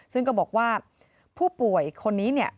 ซึ่งก็บอกว่าผู้ป่วยคนนี้